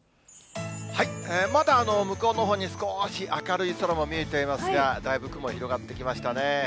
まだ向こうのほうに、少し明るい空も見えていますが、だいぶ雲が広がってきましたね。